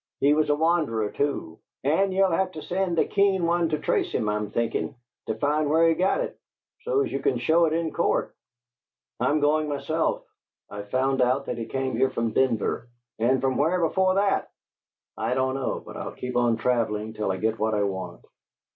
He was a wanderer, too; and ye'll have to send a keen one to trace him, I'm thinkin', to find where he got it, so's ye can show it in court." "I'm going myself. I've found out that he came here from Denver." "And from where before that?" "I don't know, but I'll keep on travelling till I get what I want."